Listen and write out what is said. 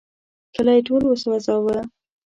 کلی ټول وسوځاوه.